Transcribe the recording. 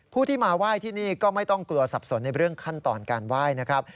ผู้ที่มาไหว้ที่นี่ก็ไม่ต้องกลัวสับสนในเรื่องขั้นตอนการไหว้นะครับ